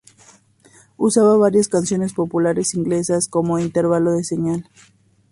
Usaba varias canciones populares inglesas como intervalo de señal.